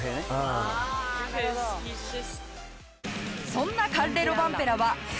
そんなカッレ・ロバンペラはえ！？